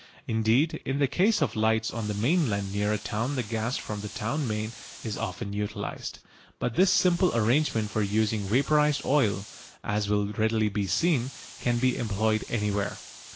Indeed in the case of lights on the mainland near a town the gas from the town main is often utilised. But this simple arrangement for using vaporised oil, as will readily be seen, can be employed anywhere.